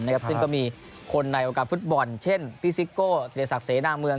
ในโอกาสฟุตบอลเช่นฟิซิโกที่ได้ศักดิ์เสนางเมือง